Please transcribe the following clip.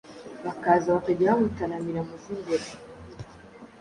bakaza bakajya bamutaramira. muzimbere